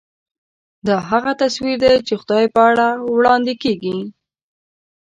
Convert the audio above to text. دا هغه تصویر دی چې خدای په اړه وړاندې کېږي.